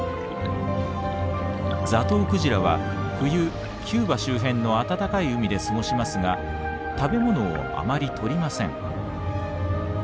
ザトウクジラは冬キューバ周辺の暖かい海で過ごしますが食べ物をあまりとりません。